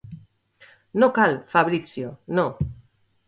No cal, Fabrizio, no.